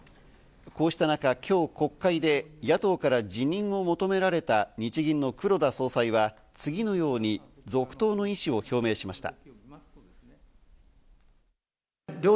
こうした中、今日、国会で野党から辞任を求められた日銀の黒田総裁は次のように続投の意思を表明しました。